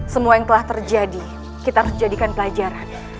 semua yang telah terjadi kita harus jadikan pelajaran